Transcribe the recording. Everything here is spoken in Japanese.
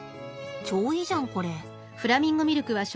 超いいじゃんこれ。